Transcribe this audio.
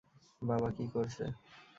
বাবা কী করছে?